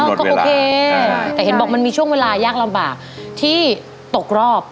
ก็โอเคแต่เห็นบอกมันมีช่วงเวลายากลำบากที่ตกรอบ